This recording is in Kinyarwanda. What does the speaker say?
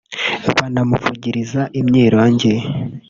banamuvugiriza imyirongi